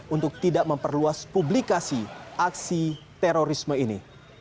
untuk tidak memperluas publikasi aksi terorisme ini